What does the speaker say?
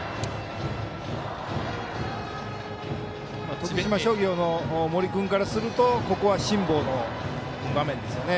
徳島商業の森君からするとここは辛抱の場面ですよね。